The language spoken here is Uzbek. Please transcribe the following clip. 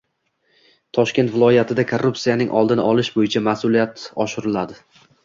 Toshkent viloyatida korrupsiyaning oldini olish bo‘yicha mas’uliyat oshiriladi